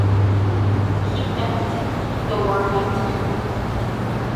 He pecked the worm in two.